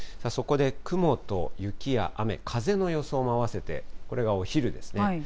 そこで雲と雪や雨、風の予想もあわせて、これがお昼ですね。